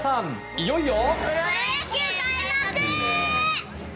いよいよ！